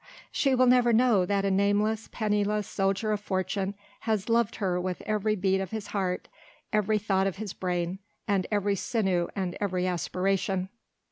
She will never know that a nameless, penniless soldier of fortune has loved her with every beat of his heart, every thought of his brain, with every sinew and every aspiration.